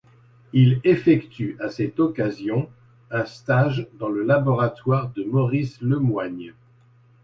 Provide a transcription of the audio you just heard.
Il effectue à cette occasion un stage dans le laboratoire de Maurice Lemoigne.